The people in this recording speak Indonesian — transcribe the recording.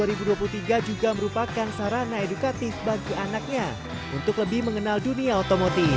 dua ribu dua puluh tiga juga merupakan sarana edukatif bagi anaknya untuk lebih mengenal dunia otomotif